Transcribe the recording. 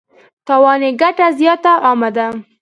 تاوان یې ګټه زیاته او عامه ده.